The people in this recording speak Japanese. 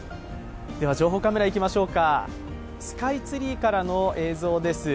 情報カメラいきましょうかスカイツリーからの映像です。